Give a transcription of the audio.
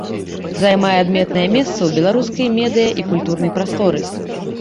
Займае адметнае месца у беларускай медыя- і культурнай прасторы.